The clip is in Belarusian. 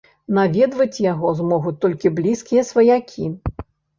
Наведваць яго змогуць толькі блізкія сваякі.